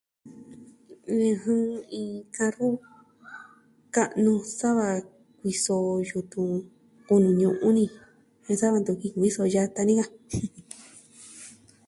ɨjɨn iin karru ka'nu sa va kuiso jo yutun ku'un nuu ñu'un ni jen sa va nkuiso yata ni ka.